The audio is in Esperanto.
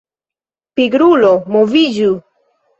Pigrulo moviĝu!